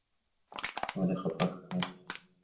ولې خپه ښکارې؟